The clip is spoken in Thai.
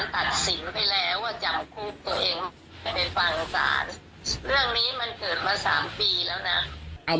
พูดเวทภาษา